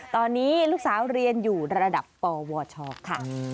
ตอนนี้ลูกสาวเรียนอยู่ระดับปวชค่ะ